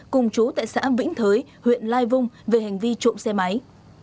cùng chú tại xã vĩnh thới huyện lai vung về hành vi trộm xe máy